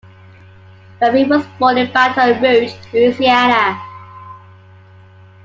Webbie was born in Baton Rouge, Louisiana.